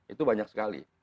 itu banyak sekali